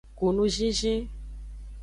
Ku nuzinzin.